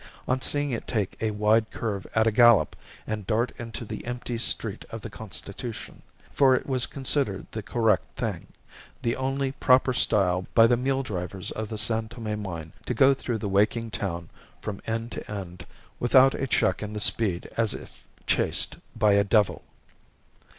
on seeing it take a wide curve at a gallop and dart into the empty Street of the Constitution; for it was considered the correct thing, the only proper style by the mule drivers of the San Tome mine to go through the waking town from end to end without a check in the speed as if chased by a devil.